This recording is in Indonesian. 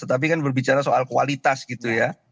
tetapi kan berbicara soal kualitas gitu ya